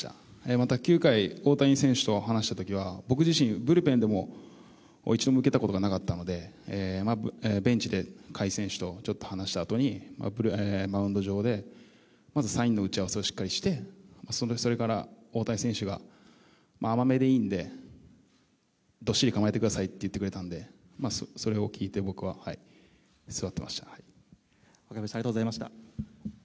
また、９回、大谷選手と話したときは僕自身、ブルペンでも一度も受けたことがなかったので、ベンチで甲斐選手とちょっと話したあとに、マウンド上でまずサインの打ち合わせをしっかりして、それから大谷選手が、甘めでいいんで、どっしり構えてくださいって言ってくれたのでそれを聞いて僕は座っていました。